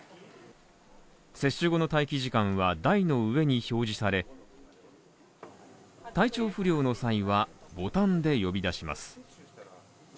接種後の待機時間は台の上に表示され体調不良の際は、ボタンで呼び出します。